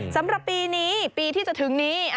สำหรับปีนี้ปีที่จะถึงนี้